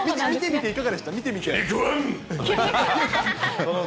見てみて。